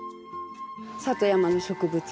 里山の植物。